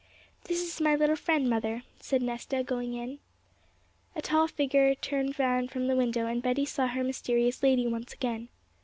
'This is my little friend, mother,' said Nesta, going in. A tall figure turned round from the window, and Betty saw her mysterious lady once again.